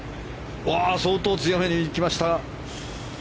相当強めにいきました。